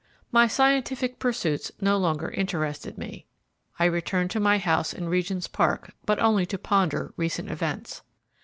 MY scientific pursuits no longer interested me. I returned to my house in Regent's Park, but only to ponder recent events.